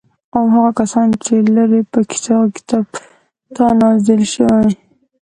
او هغه کسان چې لري په هغه کتاب چې پر تا نازل شوی